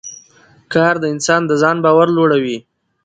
کار د انسان د ځان باور لوړوي